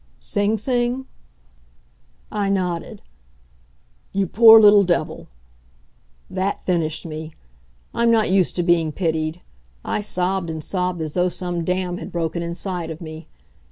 "Sing Sing?" I nodded. "You poor little devil!" That finished me. I'm not used to being pitied. I sobbed and sobbed as though some dam had broken inside of me.